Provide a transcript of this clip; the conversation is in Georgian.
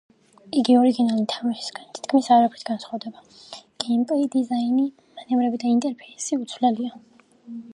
იგი ორიგინალი თამაშისგან თითქმის არაფრით განსხვავდება: გეიმპლეი, დიზაინი, მანევრები და ინტერფეისი უცვლელია.